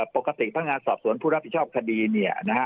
ปกติพนักงานสอบสวนผู้รับผิดชอบคดีเนี่ยนะฮะ